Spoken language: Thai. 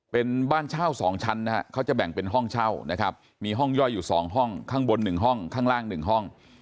เป็นบ้านเช่า๒ชั้นนะครับเขาจะแบ่งเป็นห้องเช่านะครับมีห้องย่อยอยู่๒ห้องข้างบน๑ห้องข้างล่าง๑ห้อง